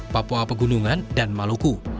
papua pegunungan dan maluku